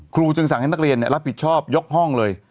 จึงสั่งให้นักเรียนรับผิดชอบยกห้องเลย